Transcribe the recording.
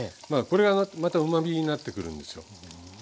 これがまたうまみになってくるんですよ。